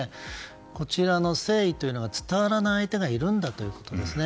こちらの誠意というのが伝わらない相手がいるんだということですね。